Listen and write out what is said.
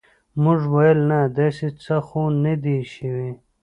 موږ ویل نه داسې څه خو نه دي شوي.